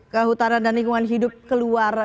kehutanan dan lingkungan hidup keluar